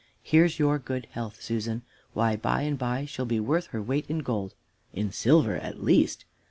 Here's your good health, Susan. Why, by and by she'll be worth her weight in gold in silver at least.